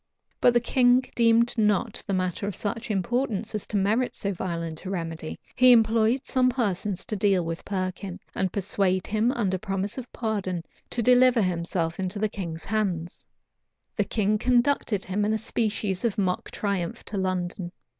But the king deemed not the matter of such importance as to merit so violent a remedy, He employed some persons to deal with Perkin, and persuade him, under promise of pardon, to deliver himself into the king's hands.[*] The king conducted him in a species of mock triumph to London.